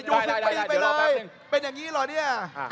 ยูอีก๑๐ปีไปเลย